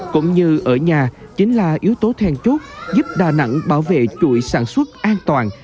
cũng như ở nhà chính là yếu tố then chốt giúp đà nẵng bảo vệ chuỗi sản xuất an toàn